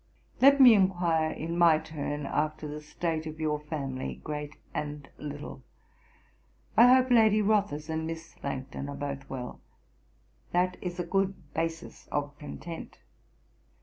'Let me enquire in my turn after the state of your family, great and little. I hope Lady Rothes and Miss Langton are both well. That is a good basis of content.